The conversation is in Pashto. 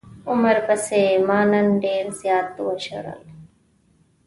عمر پسې ما نن ډير زيات وژړل.